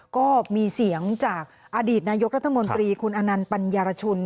ก็มีเสียงจากอดีตนายกรัฐมนตรีคุณอนันต์ปัญญารชุน